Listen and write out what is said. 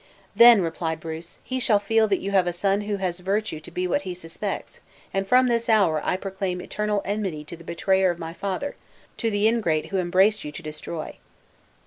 "Then," replied Bruce, "he shall feel that you have a son who has virtue to be what he suspects; and from this hour I proclaim eternal enmity to the betrayer of my father; to the ingrate who embraced you to destroy!"